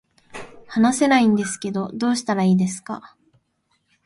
話せないんですけど、どうしたらいいですか